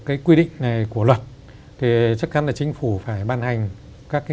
cái quy định này của luật thì chắc chắn là chính phủ phải ban hành các cái